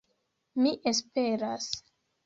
Mi esperas.